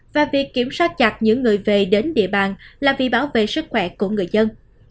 và việc kiểm soát chặt những người về đến địa bàn là vì bảo vệ sức khỏe của người dân